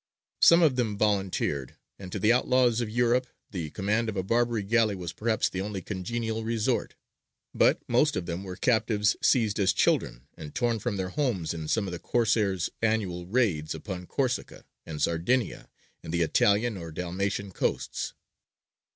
Some of them volunteered and to the outlaws of Europe the command of a Barbary galley was perhaps the only congenial resort; but most of them were captives seized as children, and torn from their homes in some of the Corsairs' annual raids upon Corsica and Sardinia and the Italian or Dalmatian coasts.